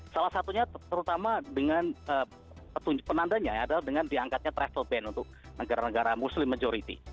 salah satunya terutama dengan penandanya adalah dengan diangkatnya travel ban untuk negara negara muslim majority